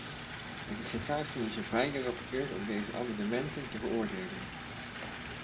Het is de taak van onze beide rapporteurs om deze amendementen te beoordelen.